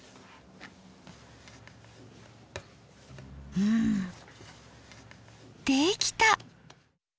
うんできた！